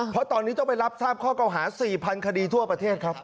เพราะตอนนี้ต้องไปรับทราบข้อเก่าหา๔๐๐คดีทั่วประเทศครับ